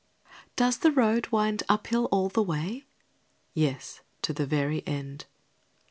Does the road wind up hill all the way? Yes, to the very end.